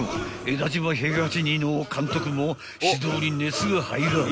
江田島平八似の監督も指導に熱が入らな］